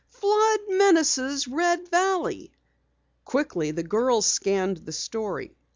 "FLOOD MENACES RED VALLEY!" Quickly the girls scanned the story.